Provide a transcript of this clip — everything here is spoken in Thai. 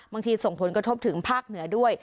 ส่งผลกระทบถึงภาคเหนือด้วย